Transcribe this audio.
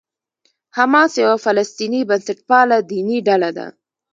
حماس یوه فلسطیني بنسټپاله دیني ډله ده.